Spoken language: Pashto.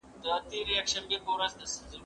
زه به اوږده موده د ښوونځی لپاره تياری کړی وم!؟